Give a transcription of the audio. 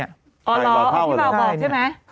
อ๋อเหรอพี่เบาบอกใช่ไหม